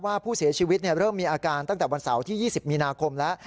ว่าผู้เสียชีวิตเริ่มมีอาการตั้งแต่วันเสาร์ที่๒๐มีนาคมแล้ว